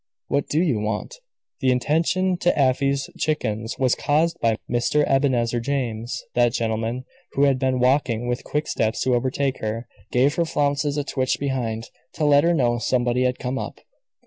what do you want?" The interruption to Afy's chickens was caused by Mr. Ebenezer James. That gentleman, who had been walking with quick steps to overtake her, gave her flounces a twitch behind, to let her know somebody had come up.